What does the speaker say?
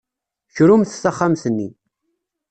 Krumt taxxamt-nni.